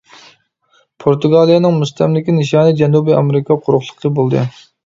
پورتۇگالىيەنىڭ مۇستەملىكە نىشانى جەنۇبىي ئامېرىكا قۇرۇقلۇقى بولدى.